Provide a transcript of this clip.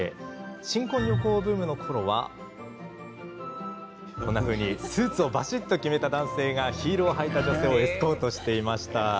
新婚旅行ブームのころはこんなふうにスーツをばしっと決めた男性がヒールを履いた女性をエスコートしていました。